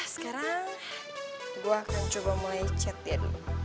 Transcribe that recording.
sekarang gue akan coba mulai chat dia dulu